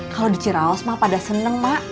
kalo di ciraos ma pada seneng ma